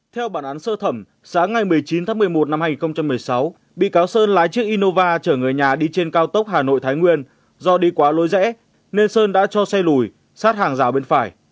theo bản án sơ thẩm sáng ngày một mươi chín tháng một mươi một năm hai nghìn một mươi sáu bị cáo sơn lái chiếc innova chở người nhà đi trên cao tốc hà nội thái nguyên do đi quá lối rẽ nên sơn đã cho xe lùi sát hàng rào bên phải